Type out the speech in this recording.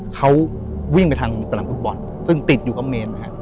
เขาวิ่งไปทางสนามฟุตบอลซึ่งติดอยู่กับเมนนะฮะ